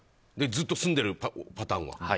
ずっと住んでいるパターンは。